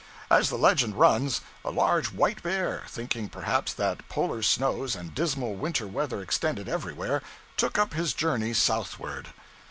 As the legend runs, a large white bear, thinking, perhaps, that polar snows and dismal winter weather extended everywhere, took up his journey southward.